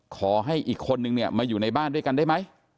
ขอให้อีกคนนึงเนี่ยมาอยู่ในบ้านด้วยกันได้ไหม